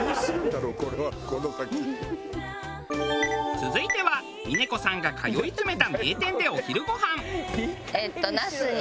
続いては峰子さんが通い詰めた名店でお昼ごはん。